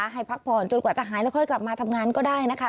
ให้พักผ่อนจนกว่าจะหายแล้วค่อยกลับมาทำงานก็ได้นะคะ